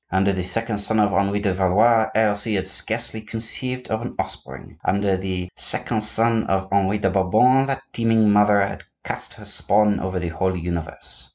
Under the second son of Henri de Valois heresy had scarcely conceived an offspring; under the second son of Henri de Bourbon that teeming mother had cast her spawn over the whole universe.